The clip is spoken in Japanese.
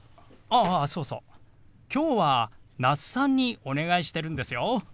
ああそうそう今日は那須さんにお願いしてるんですよ。